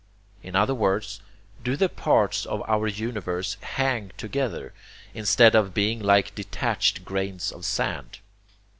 In other words, do the parts of our universe HANG together, instead of being like detached grains of sand?